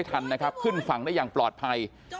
พี่บูรำนี้ลงมาแล้ว